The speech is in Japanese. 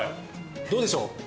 どうでしょう？